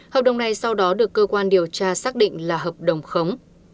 hợp đồng này sau đó được cơ quan điều tra xác định là hợp đồng khống